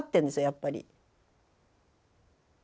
やっぱり。